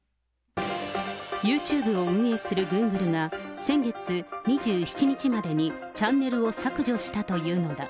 ユーチューブを運営するグーグルが先月２７日までに、チャンネルを削除したというのだ。